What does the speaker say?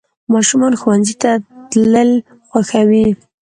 ماشومان ښوونځي ته تلل خوښوي.